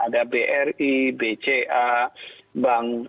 ada bri bca bank